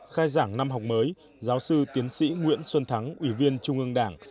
khai giảng năm học mới giáo sư tiến sĩ nguyễn xuân thắng ủy viên trung ương đảng